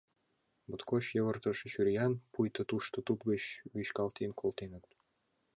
Моткоч йывыртыше чуриян, пуйто тушто туп гыч вӱчкалтен колтеныт.